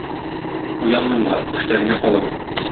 Уянмыйм ла, төштә генә калам.